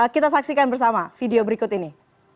kita saksikan bersama video berikut ini